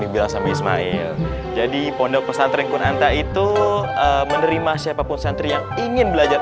bila sama ismail jadi pondok pesantren kunanta itu menerima siapapun santri yang ingin belajar